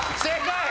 正解！